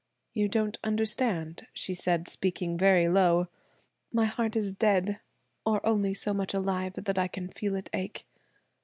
"You don't understand," she said speaking very low. "My heart is dead, or only so much alive that I can feel it ache.